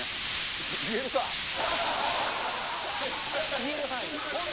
言える範囲。